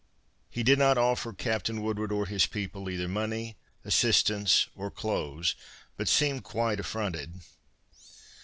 He did not offer Captain Woodward or his people either money, assistance, or clothes, but seemed quite affronted.